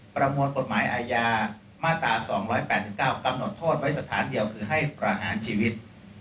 ประมวลกฎหมายอาญามาตรา๒๘๙กำหนดโทษไว้สถานเดียวคือให้ประหารชีวิต